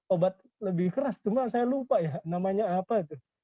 obat lebih keras cuma saya lupa namanya apa